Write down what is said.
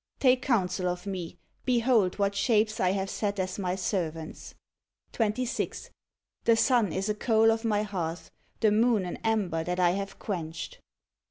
Take counsel of Me; behold what shapes I have set as My servants. 26. The sun is a coal of My hearth, the moon an ember that I have quenched; 27.